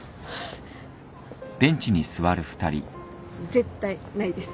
絶対ないです。